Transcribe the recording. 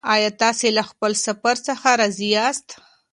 ایا تاسې له خپل سفر څخه راضي یاست؟